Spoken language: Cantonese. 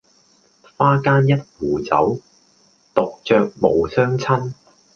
花間一壺酒，獨酌無相親